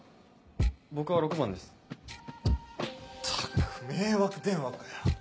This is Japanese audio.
ったく迷惑電話かよ。